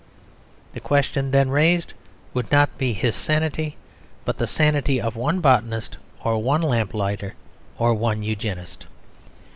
The question then raised would not be his sanity, but the sanity of one botanist or one lamplighter or one Eugenist.